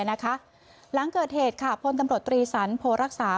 หลังเกิดเหตุพตรีสันโพงรักษา